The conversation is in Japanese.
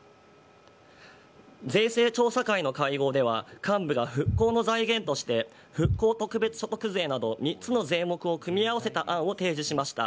税制調査会の会合では幹部が復興の財源として復興特別所得税など３つの税目を組み合わせた案を提示しました。